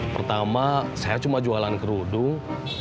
pertama saya cuma jualan kerudung